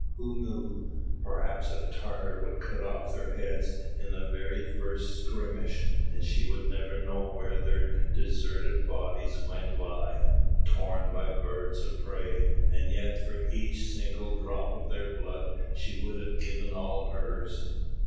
Who knew? Perhaps a Tatar would cut off their heads in the very first skirmish, and she would never know where their deserted bodies might lie, torn by birds of prey; and yet for each single drop of their blood she would have given all hers.